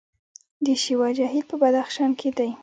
د شیوا جهیل په بدخشان کې دی